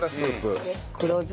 黒酢。